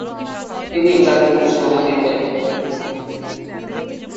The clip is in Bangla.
তিনি তাকে উৎসাহ দিতেন।